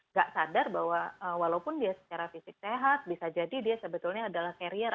nggak sadar bahwa walaupun dia secara fisik sehat bisa jadi dia sebetulnya adalah carrier